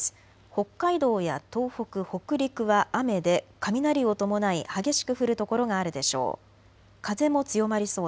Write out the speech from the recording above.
北海道や東北、北陸は雨で雷を伴い激しく降る所があるでしょう。